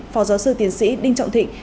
phó giáo sư tiến sĩ đinh trọng thịnh